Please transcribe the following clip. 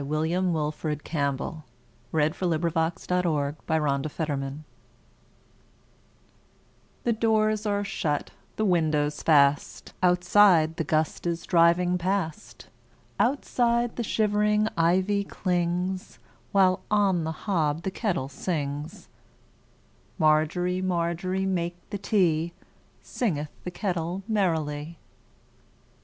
William Wilfred Campbell 1861–1918 A Canadian Folk Song CampbllWW THE DOORS are shut, the windows fast, Outside the gust is driving past, Outside the shivering ivy clings, While on the hob the kettle sings. Margery, Margery, make the tea, Singeth the kettle merrily.